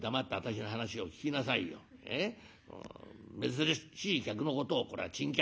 珍しい客のことをこれを珍客というの」。